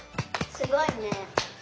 すごいね。